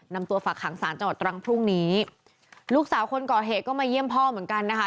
นำตัวฝากหางศาลจังหวัดตรังพรุ่งนี้ลูกสาวคนก่อเหตุก็มาเยี่ยมพ่อเหมือนกันนะคะ